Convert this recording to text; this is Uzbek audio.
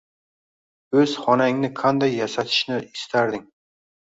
O‘z xonangni qanday yasatishni istarding?